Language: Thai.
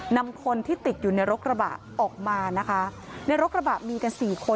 นำคนที่ติดอยู่ในรถกระบะออกมานะคะในรถกระบะมีกันสี่คน